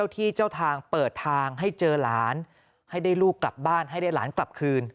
ที่เจ้าทางเปิดทางให้เจอหลานให้ได้ลูกกลับบ้านให้ได้หลานกลับคืน